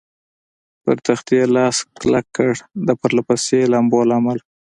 پر تختې لاس کلک کړ، د پرله پسې لامبو له امله.